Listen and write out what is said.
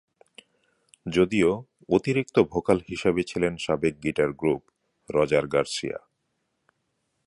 যদিও অতিরিক্ত ভোকাল হিসাবে ছিলেন সাবেক গিটার গ্রুপ রজার গার্সিয়া।